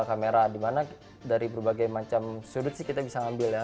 kamera dimana dari berbagai macam sudut sih kita bisa ngambil ya